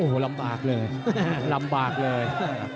โอ้โหลำบากเลยลำบากเลย